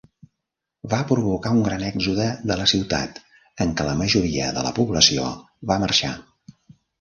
Va provocar un gran èxode de la ciutat, en què la majoria de la població va marxar.